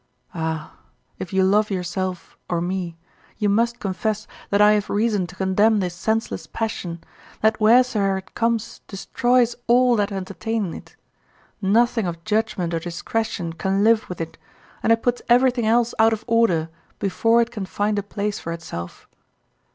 Ah! if you love yourself or me, you must confess that I have reason to condemn this senseless passion; that wheresoe'er it comes destroys all that entertain it; nothing of judgment or discretion can live with it, and it puts everything else out of order before it can find a place for itself.